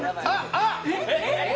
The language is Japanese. あっ！